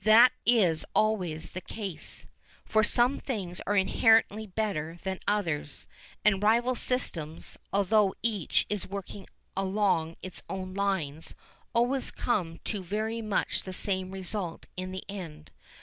That is always the case, for some things are inherently better than others, and rival systems, although each is working along its own lines, always come to very much the same result in the end.